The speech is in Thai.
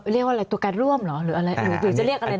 เรียกว่าอะไรตัวการร่วมหรือจะเรียกอะไร